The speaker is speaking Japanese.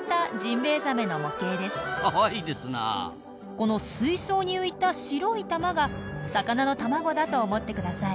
この水槽に浮いた白い玉が魚の卵だと思ってください。